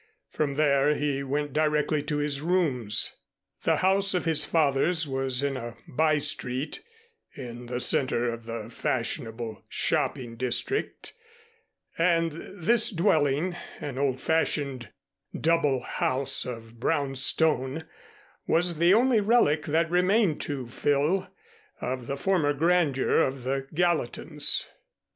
From there he went directly to his rooms. The house of his fathers was in a by street in the center of the fashionable shopping district, and this dwelling, an old fashioned double house of brown stone, was the only relic that remained to Phil of the former grandeur of the Gallatins.